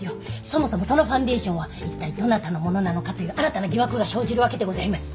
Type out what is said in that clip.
そもそもそのファンデーションはいったいどなたのものなのかという新たな疑惑が生じるわけでございます。